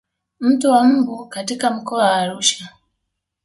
Mto wa mbu katika mkoa wa Arusha